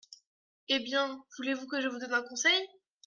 Eh bien, voulez-vous que je vous donne un conseil ?